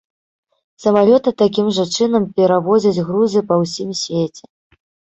Самалёты такім жа чынам перавозяць грузы па ўсім свеце.